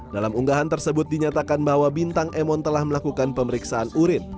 dalam unggahan tersebut dinyatakan bahwa bintang emon telah melakukan pemeriksaan urin